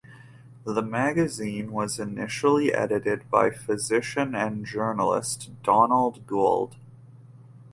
The magazine was initially edited by physician and journalist Donald Gould.